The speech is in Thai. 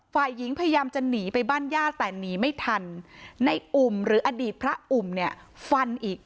ฝ่ายหญิงพยายามจะหนีไปบ้านญาติแต่หนีไม่ทันในอุ่มหรืออดีตพระอุ่มเนี่ยฟันอีก